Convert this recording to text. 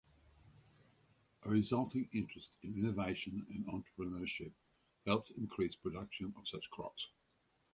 A resulting interest in innovation and entrepreneurship helped increase production of such crops.